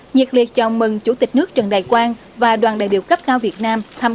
nhiệt liệt chào mừng chủ tịch nước trần đại quang và đoàn đại biểu cấp cao việt nam thăm